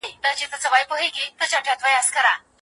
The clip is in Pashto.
که چېرې مسواک وکارول شي نو معده به سمه کار کوي.